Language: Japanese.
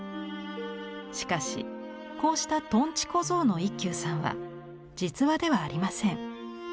しかしこうしたとんち小僧の一休さんは実話ではありません。